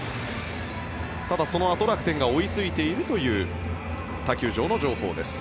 ただ、そのあと楽天が追いついているという他球場の情報です。